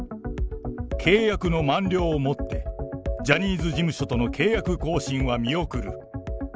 契約の満了をもって、ジャニーズ事務所との契約更新は見送る。